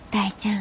ん？